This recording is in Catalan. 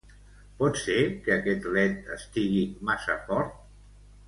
Pot ser que aquest led estigui massa fort?